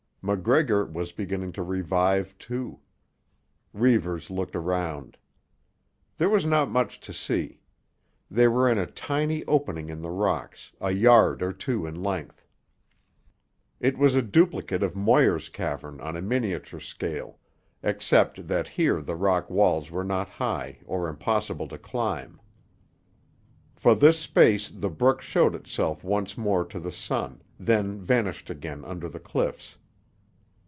MacGregor was beginning to revive, too. Reivers looked around. There was not much to see. They were in a tiny opening in the rocks, a yard or two in length. It was a duplicate of Moir's cavern on a miniature scale, except that here the rock walls were not high or impossible to climb. For this space the brook showed itself once more to the sun, then vanished again under the cliffs.